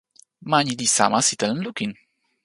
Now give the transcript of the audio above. ma ni li sama sitelen lukin!